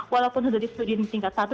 walaupun sudah di studi di tingkat satu